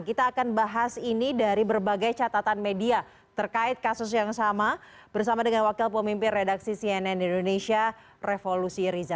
kita akan bahas ini dari berbagai catatan media terkait kasus yang sama bersama dengan wakil pemimpin redaksi cnn indonesia revolusi riza